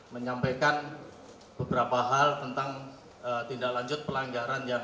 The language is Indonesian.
menyampaikan beberapa hal tentang tindak lanjut pelanggaran yang